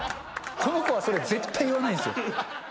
この子はそれ、絶対に言わないですよ。